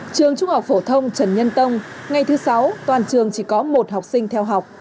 trường trung học phổ thông trần nhân tông ngày thứ sáu toàn trường chỉ có một học sinh theo học